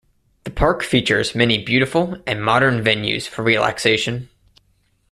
The Park features many beautiful and modern venues for relaxation.